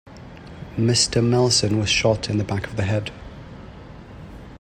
Mr. Melson was shot in the back of the head.